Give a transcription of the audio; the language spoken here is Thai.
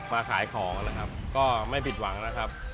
มาขายของนะครับก็ไม่ผิดหวังนะครับ